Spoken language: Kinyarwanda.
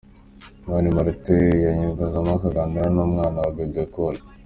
Mani Martin yanyuzagamo akaganira n'umwana wa Bebe Cool.